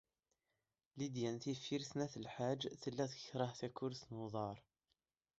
Lidya n Tifrit n At Lḥaǧ tella tekṛeh takurt n uḍar.